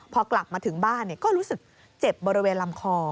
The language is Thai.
พอกลับมาถึงบ้านก็รู้สึกเจ็บบริเวณลำคอ